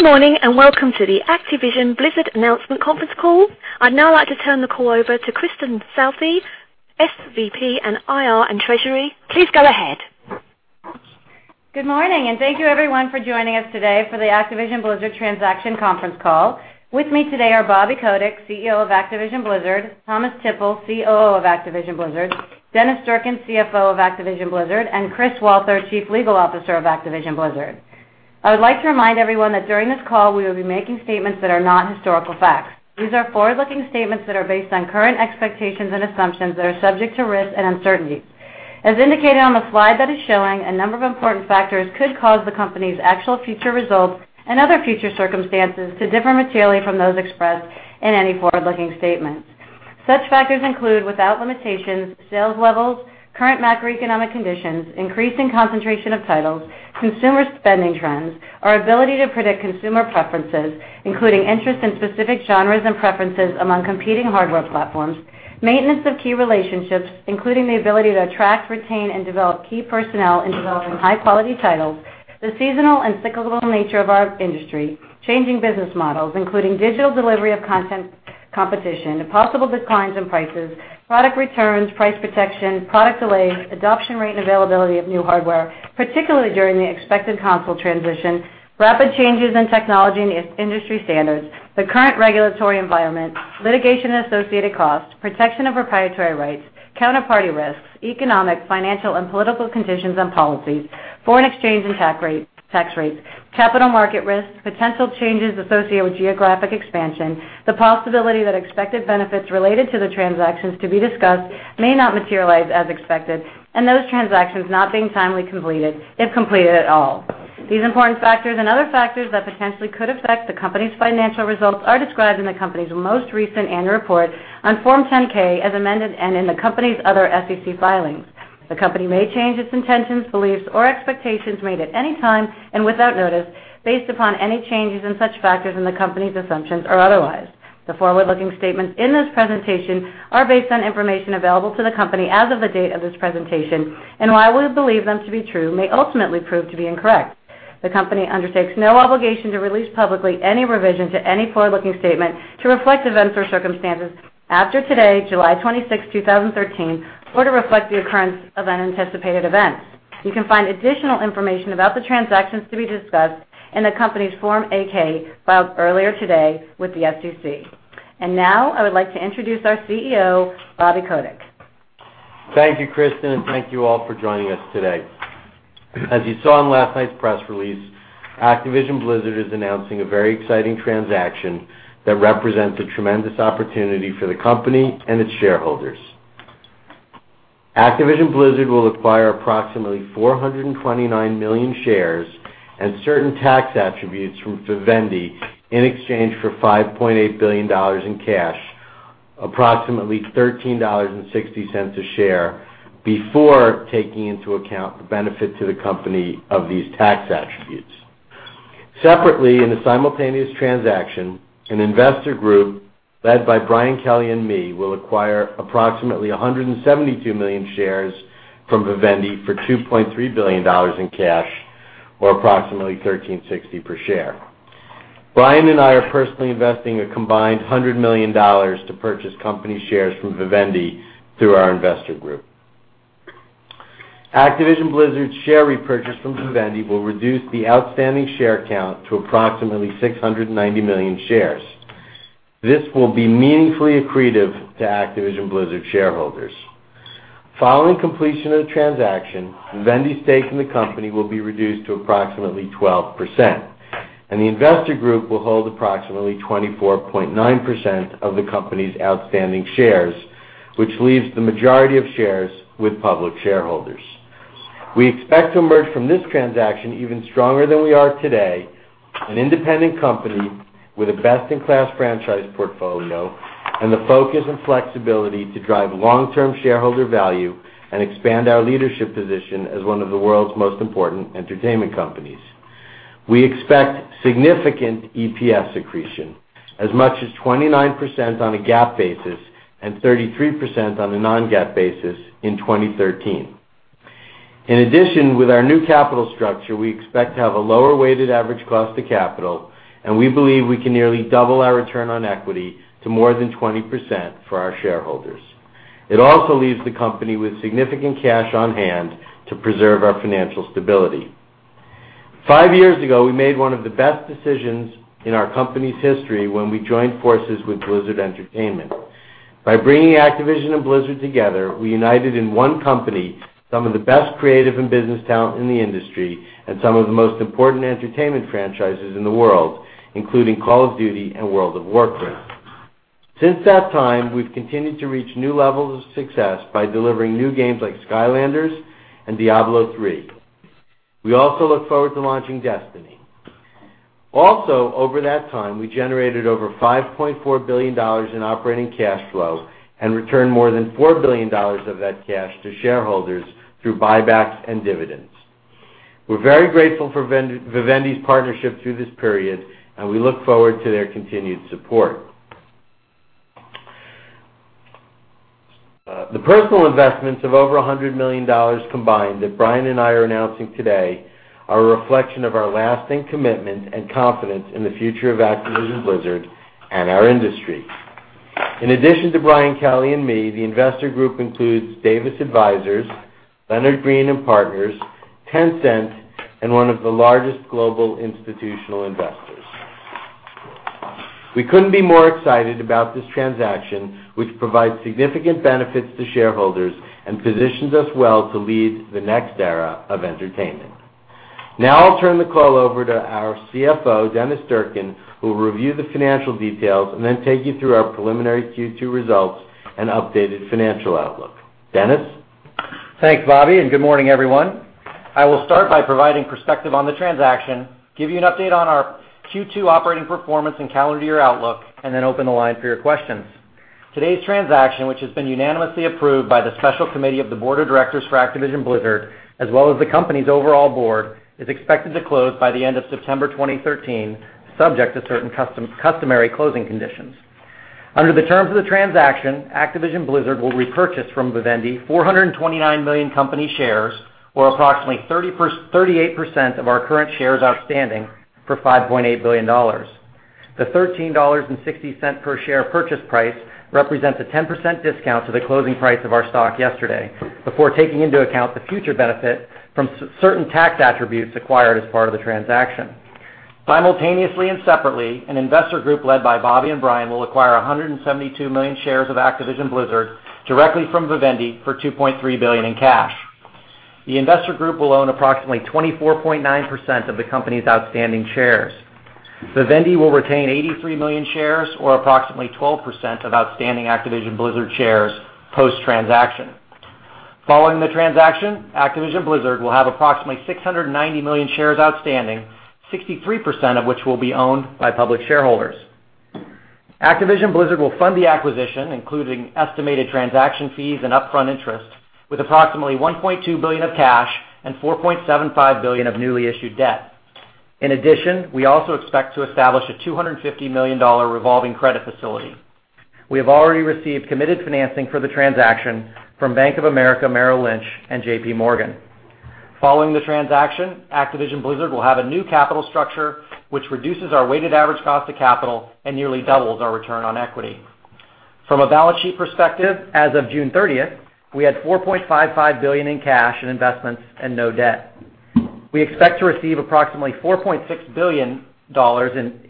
Good morning. Welcome to the Activision Blizzard announcement conference call. I'd now like to turn the call over to Kristin Southey, SVP and IR and Treasury. Please go ahead. Good morning. Thank you everyone for joining us today for the Activision Blizzard transaction conference call. With me today are Bobby Kotick, CEO of Activision Blizzard, Thomas Tippl, COO of Activision Blizzard, Dennis Durkin, CFO of Activision Blizzard, and Christopher Walther, Chief Legal Officer of Activision Blizzard. I would like to remind everyone that during this call, we will be making statements that are not historical facts. These are forward-looking statements that are based on current expectations and assumptions that are subject to risk and uncertainty. As indicated on the slide that is showing, a number of important factors could cause the company's actual future results and other future circumstances to differ materially from those expressed in any forward-looking statements. Such factors include, without limitation, sales levels, current macroeconomic conditions, increasing concentration of titles, consumer spending trends, our ability to predict consumer preferences, including interest in specific genres and preferences among competing hardware platforms, maintenance of key relationships, including the ability to attract, retain, and develop key personnel in developing high-quality titles, the seasonal and cyclical nature of our industry, changing business models, including digital delivery of content competition, possible declines in prices, product returns, price protection, product delays, adoption rate and availability of new hardware, particularly during the expected console transition, rapid changes in technology and industry standards, the current regulatory environment, litigation associated cost, protection of proprietary rights, counterparty risks, economic, financial, and political conditions and policies, foreign exchange and tax rates, capital market risks, potential changes associated with geographic expansion, the possibility that expected benefits related to the transactions to be discussed may not materialize as expected, and those transactions not being timely completed, if completed at all. These important factors and other factors that potentially could affect the company's financial results are described in the company's most recent annual report on Form 10-K as amended and in the company's other SEC filings. The company may change its intentions, beliefs, or expectations made at any time and without notice based upon any changes in such factors in the company's assumptions or otherwise. The forward-looking statements in this presentation are based on information available to the company as of the date of this presentation, while we believe them to be true, may ultimately prove to be incorrect. The company undertakes no obligation to release publicly any revision to any forward-looking statement to reflect events or circumstances after today, July 26th, 2013, or to reflect the occurrence of unanticipated events. You can find additional information about the transactions to be discussed in the company's Form 8-K filed earlier today with the SEC. Now I would like to introduce our CEO, Bobby Kotick. Thank you, Kristin, and thank you all for joining us today. As you saw in last night's press release, Activision Blizzard is announcing a very exciting transaction that represents a tremendous opportunity for the company and its shareholders. Activision Blizzard will acquire approximately 429 million shares and certain tax attributes from Vivendi in exchange for $5.8 billion in cash, approximately $13.60 a share, before taking into account the benefit to the company of these tax attributes. Separately, in a simultaneous transaction, an investor group led by Brian Kelly and me will acquire approximately 172 million shares from Vivendi for $2.3 billion in cash, or approximately $13.60 per share. Brian and I are personally investing a combined $100 million to purchase company shares from Vivendi through our investor group. Activision Blizzard's share repurchase from Vivendi will reduce the outstanding share count to approximately 690 million shares. This will be meaningfully accretive to Activision Blizzard shareholders. Following completion of the transaction, Vivendi's stake in the company will be reduced to approximately 12%, and the investor group will hold approximately 24.9% of the company's outstanding shares, which leaves the majority of shares with public shareholders. We expect to emerge from this transaction even stronger than we are today, an independent company with a best-in-class franchise portfolio and the focus and flexibility to drive long-term shareholder value and expand our leadership position as one of the world's most important entertainment companies. We expect significant EPS accretion, as much as 29% on a GAAP basis and 33% on a non-GAAP basis in 2013. In addition, with our new capital structure, we expect to have a lower weighted average cost of capital, and we believe we can nearly double our return on equity to more than 20% for our shareholders. It also leaves the company with significant cash on-hand to preserve our financial stability. Five years ago, we made one of the best decisions in our company's history when we joined forces with Blizzard Entertainment. By bringing Activision and Blizzard together, we united in one company some of the best creative and business talent in the industry and some of the most important entertainment franchises in the world, including Call of Duty and World of Warcraft. Since that time, we've continued to reach new levels of success by delivering new games like Skylanders and Diablo III. We also look forward to launching Destiny. Over that time, we generated over $5.4 billion in operating cash flow and returned more than $4 billion of that cash to shareholders through buybacks and dividends. We're very grateful for Vivendi's partnership through this period, and we look forward to their continued support. The personal investments of over $100 million combined that Brian and I are announcing today are a reflection of our lasting commitment and confidence in the future of Activision Blizzard and our industry. In addition to Brian Kelly and me, the investor group includes Davis Advisors, Leonard Green & Partners, Tencent, and one of the largest global institutional investors. We couldn't be more excited about this transaction, which provides significant benefits to shareholders and positions us well to lead the next era of entertainment. I'll turn the call over to our CFO, Dennis Durkin, who will review the financial details and then take you through our preliminary Q2 results and updated financial outlook. Dennis? Thanks, Bobby. Good morning, everyone. I will start by providing perspective on the transaction, give you an update on our Q2 operating performance and calendar year outlook, and then open the line for your questions. Today's transaction, which has been unanimously approved by the special committee of the board of directors for Activision Blizzard, as well as the company's overall board, is expected to close by the end of September 2013, subject to certain customary closing conditions. Under the terms of the transaction, Activision Blizzard will repurchase from Vivendi 429 million company shares, or approximately 38% of our current shares outstanding for $5.8 billion. The $13.60 per share purchase price represents a 10% discount to the closing price of our stock yesterday before taking into account the future benefit from certain tax attributes acquired as part of the transaction. Simultaneously and separately, an investor group led by Bobby and Brian will acquire 172 million shares of Activision Blizzard directly from Vivendi for $2.3 billion in cash. The investor group will own approximately 24.9% of the company's outstanding shares. Vivendi will retain 83 million shares or approximately 12% of outstanding Activision Blizzard shares post-transaction. Following the transaction, Activision Blizzard will have approximately 690 million shares outstanding, 63% of which will be owned by public shareholders. Activision Blizzard will fund the acquisition, including estimated transaction fees and upfront interest, with approximately $1.2 billion of cash and $4.75 billion of newly issued debt. In addition, we also expect to establish a $250 million revolving credit facility. We have already received committed financing for the transaction from Bank of America, Merrill Lynch, and JP Morgan. Following the transaction, Activision Blizzard will have a new capital structure, which reduces our weighted average cost of capital and nearly doubles our return on equity. From a balance sheet perspective, as of June 30th, we had $4.55 billion in cash and investments and no debt. We expect to receive approximately $4.6 billion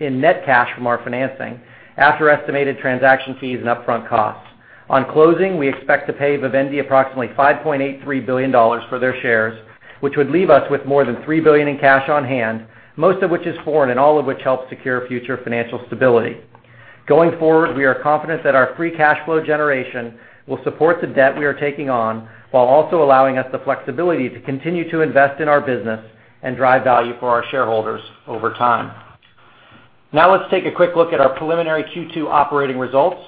in net cash from our financing after estimated transaction fees and upfront costs. On closing, we expect to pay Vivendi approximately $5.83 billion for their shares, which would leave us with more than $3 billion in cash on hand, most of which is foreign, and all of which helps secure future financial stability. Going forward, we are confident that our free cash flow generation will support the debt we are taking on while also allowing us the flexibility to continue to invest in our business and drive value for our shareholders over time. Now let's take a quick look at our preliminary Q2 operating results.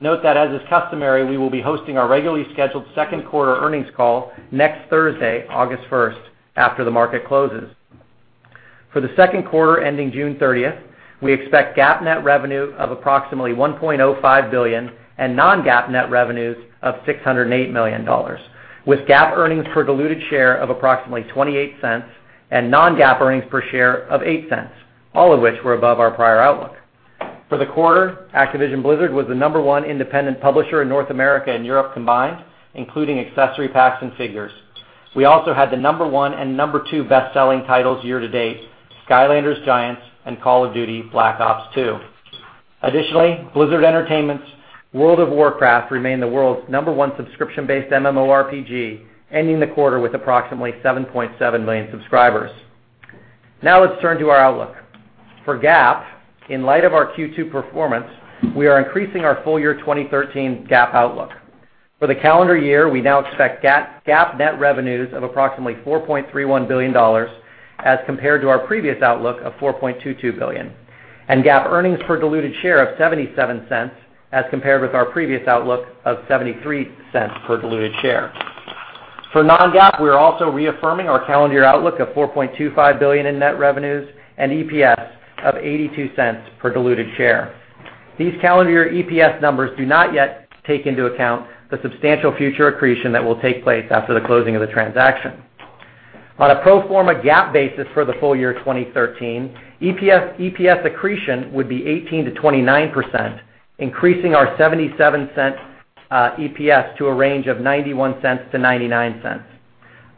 Note that as is customary, we will be hosting our regularly scheduled second quarter earnings call next Thursday, August 1st, after the market closes. For the second quarter ending June 30th, we expect GAAP net revenue of approximately $1.05 billion and non-GAAP net revenues of $608 million, with GAAP earnings per diluted share of approximately $0.28 and non-GAAP earnings per share of $0.08, all of which were above our prior outlook. For the quarter, Activision Blizzard was the number one independent publisher in North America and Europe combined, including accessory packs and figures. We also had the number one and number two best-selling titles year to date, "Skylanders Giants" and "Call of Duty: Black Ops II." Additionally, Blizzard Entertainment's "World of Warcraft" remained the world's number one subscription-based MMORPG, ending the quarter with approximately 7.7 million subscribers. Now let's turn to our outlook. For GAAP, in light of our Q2 performance, we are increasing our full year 2013 GAAP outlook. For the calendar year, we now expect GAAP net revenues of approximately $4.31 billion as compared to our previous outlook of $4.22 billion, and GAAP earnings per diluted share of $0.77 as compared with our previous outlook of $0.73 per diluted share. For non-GAAP, we are also reaffirming our calendar year outlook of $4.25 billion in net revenues and EPS of $0.82 per diluted share. These calendar year EPS numbers do not yet take into account the substantial future accretion that will take place after the closing of the transaction. On a pro forma GAAP basis for the full year 2013, EPS accretion would be 18%-29%, increasing our $0.77 EPS to a range of $0.91-$0.99.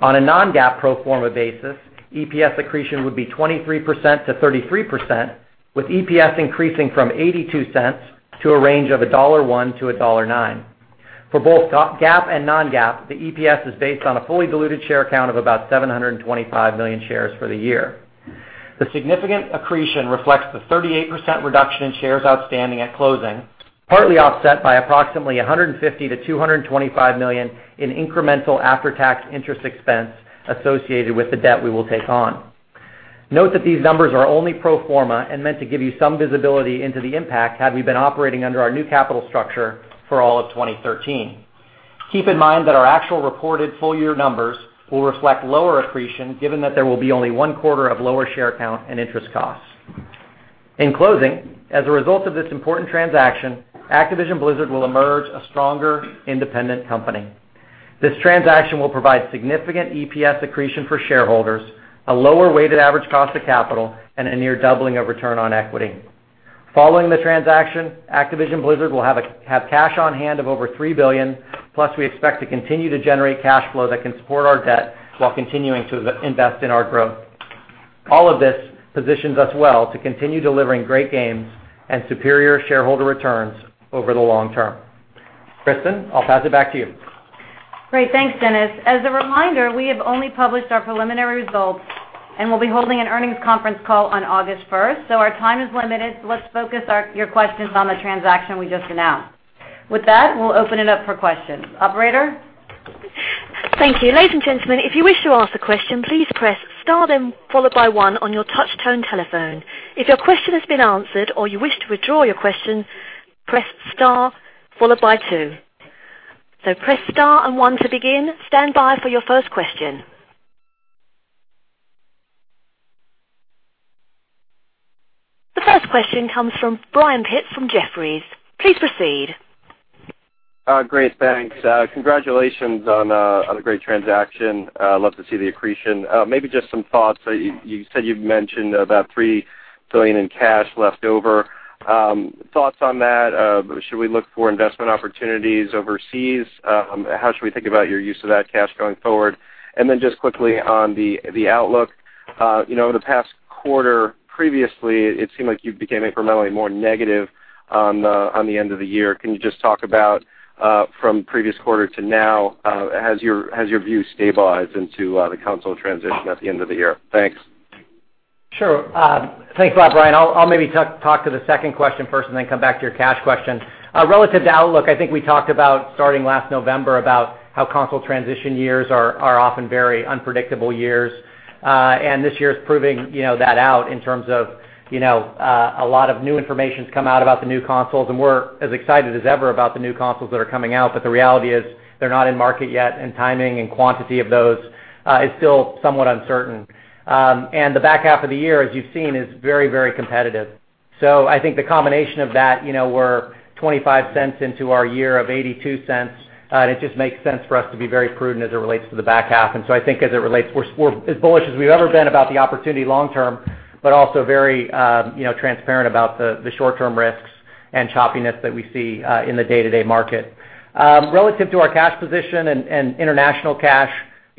On a non-GAAP pro forma basis, EPS accretion would be 23%-33%, with EPS increasing from $0.82 to a range of $1.01-$1.09. For both GAAP and non-GAAP, the EPS is based on a fully diluted share count of about 725 million shares for the year. The significant accretion reflects the 38% reduction in shares outstanding at closing, partly offset by approximately $150 million-$225 million in incremental after-tax interest expense associated with the debt we will take on. Note that these numbers are only pro forma and meant to give you some visibility into the impact had we been operating under our new capital structure for all of 2013. Keep in mind that our actual reported full-year numbers will reflect lower accretion given that there will be only one quarter of lower share count and interest costs. In closing, as a result of this important transaction, Activision Blizzard will emerge a stronger independent company. This transaction will provide significant EPS accretion for shareholders, a lower weighted average cost of capital, and a near doubling of return on equity. Following the transaction, Activision Blizzard will have cash on hand of over $3 billion, plus we expect to continue to generate cash flow that can support our debt while continuing to invest in our growth. All of this positions us well to continue delivering great games and superior shareholder returns over the long term. Kristin, I'll pass it back to you. Great. Thanks, Dennis. As a reminder, we have only published our preliminary results, and we'll be holding an earnings conference call on August 1st. Our time is limited. Let's focus your questions on the transaction we just announced. With that, we'll open it up for questions. Operator? Thank you. Ladies and gentlemen, if you wish to ask a question, please press star, then followed by one on your touch tone telephone. If your question has been answered or you wish to withdraw your question, press star, followed by two. Press star and one to begin. Stand by for your first question. The first question comes from Brian Pitz from Jefferies. Please proceed. Great, thanks. Congratulations on the great transaction. Love to see the accretion. Maybe just some thoughts. You said you've mentioned about $3 billion in cash leftover. Thoughts on that? Should we look for investment opportunities overseas? How should we think about your use of that cash going forward? Just quickly on the outlook. The past quarter previously, it seemed like you became incrementally more negative on the end of the year. Can you just talk about from previous quarter to now, has your view stabilized into the console transition at the end of the year? Thanks. Sure. Thanks a lot, Brian. I'll maybe talk to the second question first and then come back to your cash question. Relative to outlook, I think we talked about starting last November about how console transition years are often very unpredictable years. This year is proving that out in terms of a lot of new information's come out about the new consoles, and we're as excited as ever about the new consoles that are coming out. The reality is they're not in market yet, and timing and quantity of those is still somewhat uncertain. The back half of the year, as you've seen, is very competitive. I think the combination of that, we're $0.25 into our year of $0.82, and it just makes sense for us to be very prudent as it relates to the back half. I think as it relates, we're as bullish as we've ever been about the opportunity long term, but also very transparent about the short-term risks and choppiness that we see in the day-to-day market. Relative to our cash position and international cash,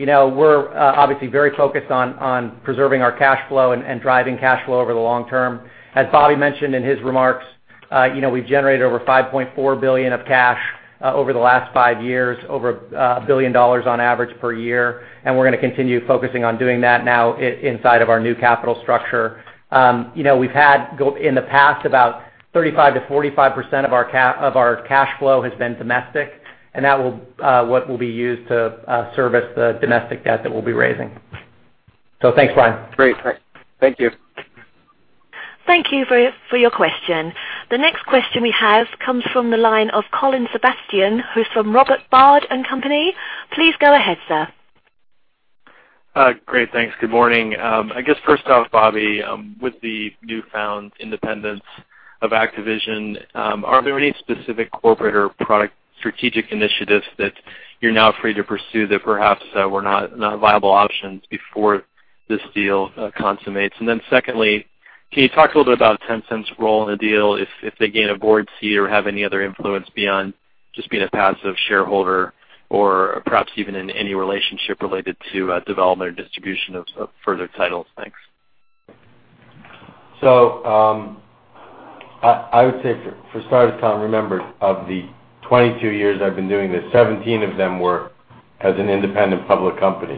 we're obviously very focused on preserving our cash flow and driving cash flow over the long term. As Bobby mentioned in his remarks, we've generated over $5.4 billion of cash over the last five years, over $1 billion on average per year, and we're going to continue focusing on doing that now inside of our new capital structure. We've had in the past, about 35%-45% of our cash flow has been domestic, and that will what will be used to service the domestic debt that we'll be raising. Thanks, Brian. Great. Thank you. Thank you for your question. The next question we have comes from the line of Colin Sebastian, who is from Robert W. Baird & Co. Please go ahead, sir. Great, thanks. Good morning. I guess first off, Bobby, with the newfound independence of Activision, are there any specific corporate or product strategic initiatives that you are now free to pursue that perhaps were not viable options before this deal consummates? Secondly, can you talk a little bit about Tencent's role in the deal, if they gain a board seat or have any other influence beyond just being a passive shareholder or perhaps even in any relationship related to development or distribution of further titles? Thanks. I would say for starters, Colin, remember, of the 22 years I've been doing this, 17 of them were as an independent public company.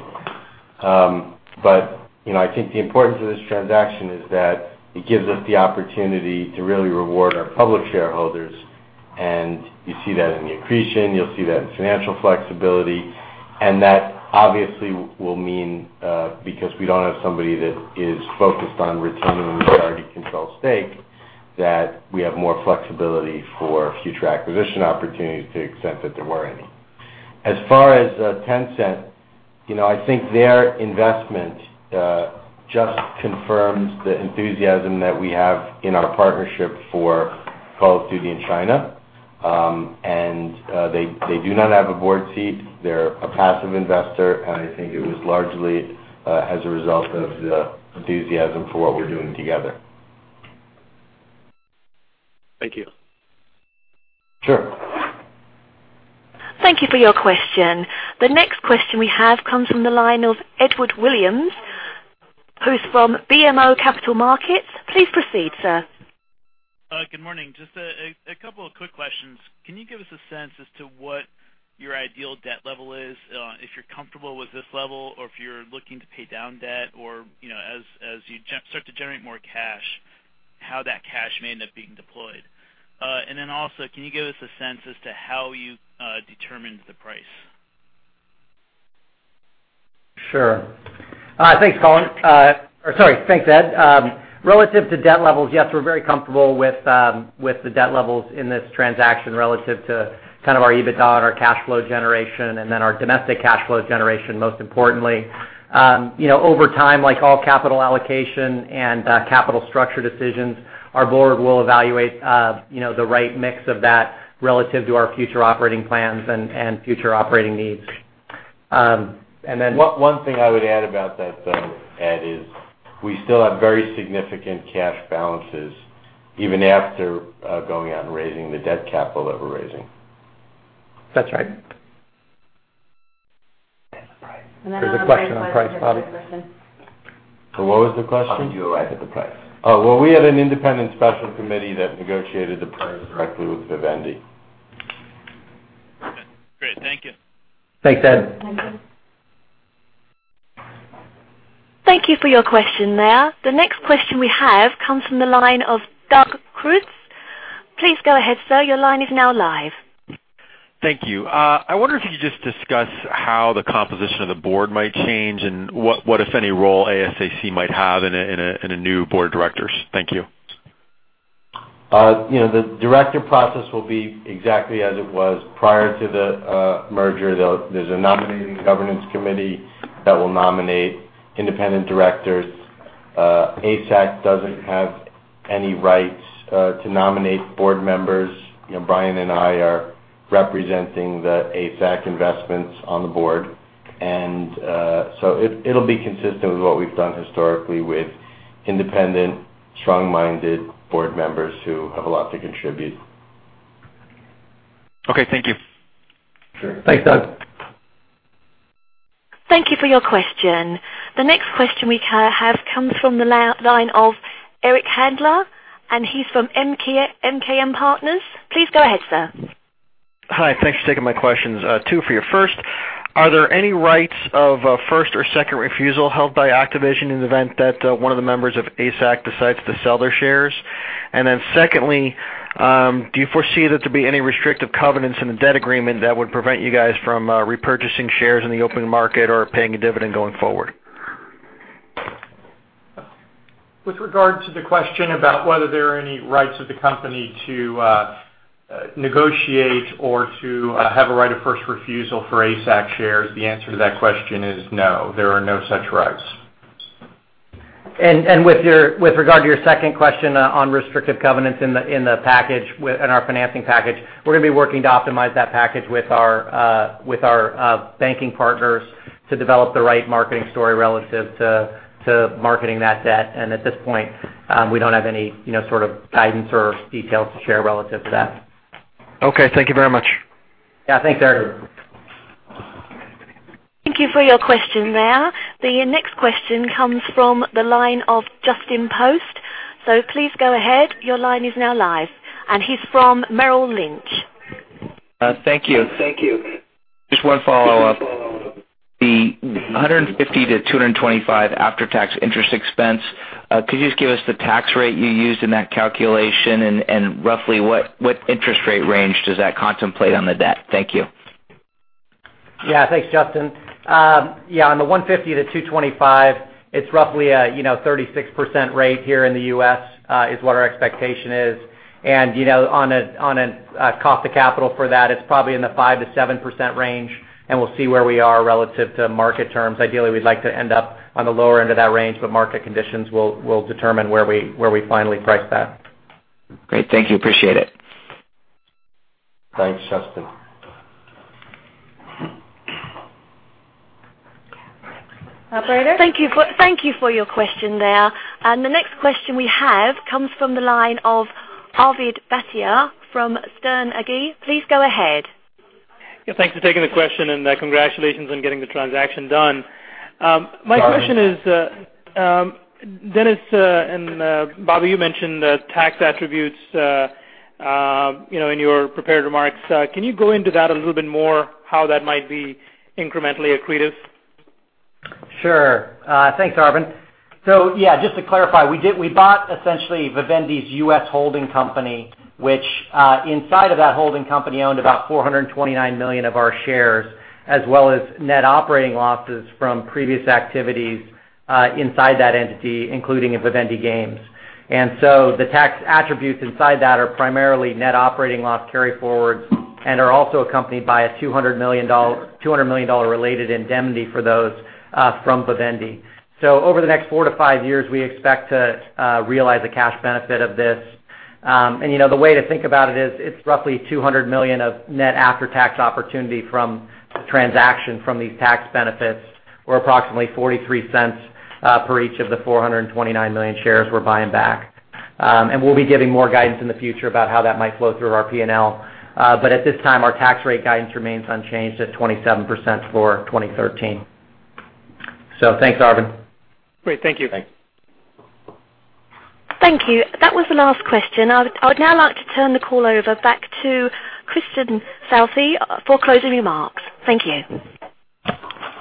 I think the importance of this transaction is that it gives us the opportunity to really reward our public shareholders, and you see that in the accretion, you will see that in financial flexibility, and that obviously will mean because we don't have somebody that is focused on retaining a majority control stake, that we have more flexibility for future acquisition opportunities to the extent that there were any. As far as Tencent, I think their investment just confirms the enthusiasm that we have in our partnership for Call of Duty in China. They do not have a board seat. They are a passive investor, and I think it was largely as a result of the enthusiasm for what we are doing together. Thank you. Sure. Thank you for your question. The next question we have comes from the line of Edward Williams, who's from BMO Capital Markets. Please proceed, sir. Good morning. Just a couple of quick questions. Can you give us a sense as to what your ideal debt level is, if you're comfortable with this level or if you're looking to pay down debt or, as you start to generate more cash, how that cash may end up being deployed? Also, can you give us a sense as to how you determined the price? Sure. Thanks, Colin. Sorry. Thanks, Ed. Relative to debt levels, yes, we're very comfortable with the debt levels in this transaction relative to kind of our EBITDA and our cash flow generation, our domestic cash flow generation, most importantly. Over time, like all capital allocation and capital structure decisions, our board will evaluate the right mix of that relative to our future operating plans and future operating needs. One thing I would add about that, though, Ed, is we still have very significant cash balances even after going out and raising the debt capital that we're raising. That's right. The price. There's a question on price, Bobby. What was the question? How did you arrive at the price? Oh, well, we had an independent special committee that negotiated the price directly with Vivendi. Great, thank you. Thanks, Ed. Thank you. Thank you for your question there. The next question we have comes from the line of Doug Creutz. Please go ahead, sir. Your line is now live. Thank you. I wonder if you could just discuss how the composition of the board might change and what, if any, role ASAC might have in a new board of directors. Thank you. The director process will be exactly as it was prior to the merger. There's a nominating governance committee that will nominate independent directors. ASAC doesn't have any rights to nominate board members. Brian and I are representing the ASAC investments on the board. It'll be consistent with what we've done historically with independent, strong-minded board members who have a lot to contribute. Okay, thank you. Sure. Thanks, Doug. Thank you for your question. The next question we have comes from the line of Eric Handler, and he's from MKM Partners. Please go ahead, sir. Hi. Thanks for taking my questions. Two for your first. Are there any rights of first or second refusal held by Activision in the event that one of the members of ASAC decides to sell their shares? Secondly, do you foresee there to be any restrictive covenants in the debt agreement that would prevent you guys from repurchasing shares in the open market or paying a dividend going forward? With regard to the question about whether there are any rights of the company to negotiate or to have a right of first refusal for ASAC shares, the answer to that question is no, there are no such rights. With regard to your second question on restrictive covenants in our financing package, we're going to be working to optimize that package with our banking partners to develop the right marketing story relative to marketing that debt. At this point, we don't have any sort of guidance or details to share relative to that. Okay, thank you very much. Yeah, thanks, Eric. Thank you for your question there. The next question comes from the line of Justin Post. Please go ahead. Your line is now live. He's from Merrill Lynch. Thank you. Just one follow-up. The $150-$225 after-tax interest expense, could you just give us the tax rate you used in that calculation and roughly what interest rate range does that contemplate on the debt? Thank you. Thanks, Justin. On the $150-$225, it's roughly a 36% rate here in the U.S. is what our expectation is. On a cost of capital for that, it's probably in the 5%-7% range, and we'll see where we are relative to market terms. Ideally, we'd like to end up on the lower end of that range, but market conditions will determine where we finally price that. Great. Thank you. Appreciate it. Thanks, Justin. Operator? Thank you for your question there. The next question we have comes from the line of Arvind Bhatia from Sterne Agee. Please go ahead. Yeah, thanks for taking the question and congratulations on getting the transaction done. Arvind. My question is, Dennis and Bobby, you mentioned the tax attributes in your prepared remarks. Can you go into that a little bit more, how that might be incrementally accretive? Sure. Thanks, Arvind. Just to clarify, we bought essentially Vivendi's U.S. holding company, which inside of that holding company owned about 429 million of our shares as well as net operating losses from previous activities inside that entity, including Vivendi Games. The tax attributes inside that are primarily net operating loss carryforwards and are also accompanied by a $200 million related indemnity for those from Vivendi. Over the next four to five years, we expect to realize the cash benefit of this. The way to think about it is it's roughly $200 million of net after-tax opportunity from the transaction from these tax benefits or approximately $0.43 per each of the 429 million shares we're buying back. We'll be giving more guidance in the future about how that might flow through our P&L. At this time, our tax rate guidance remains unchanged at 27% for 2013. Thanks, Arvind. Great. Thank you. Thanks. Thank you. That was the last question. I would now like to turn the call over back to Kristin Falso for closing remarks. Thank you.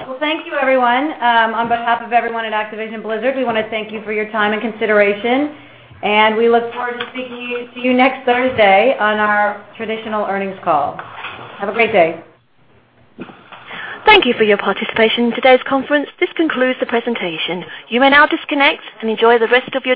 Well, thank you, everyone. On behalf of everyone at Activision Blizzard, we want to thank you for your time and consideration, and we look forward to speaking to you next Thursday on our traditional earnings call. Have a great day. Thank you for your participation in today's conference. This concludes the presentation. You may now disconnect and enjoy the rest of your day.